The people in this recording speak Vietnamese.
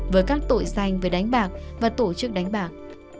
với các tội danh về đánh bạc và tổ chức đánh bạc